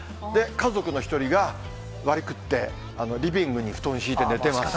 家族の１人が、わり食って、リビングに布団敷いて寝てました。